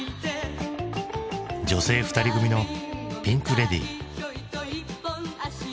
女性２人組のピンク・レディー。